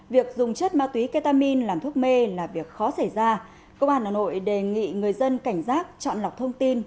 với kết amin làm thuốc mê là việc khó xảy ra công an hà nội đề nghị người dân cảnh giác chọn lọc thông tin